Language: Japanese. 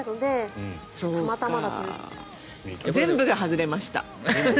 全部が外れました。